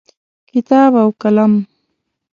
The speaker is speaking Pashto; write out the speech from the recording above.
کتاب او قلم